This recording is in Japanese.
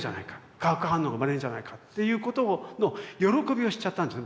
化学反応が生まれるんじゃないかっていうことの喜びを知っちゃったんですね